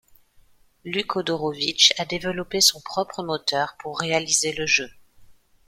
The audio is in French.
Luke Hodorowicz a développé son propre moteur pour réaliser le jeu.